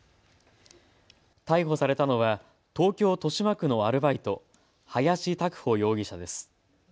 逮捕されたのは東京豊島区のアルバイト、林沢凡容疑者です。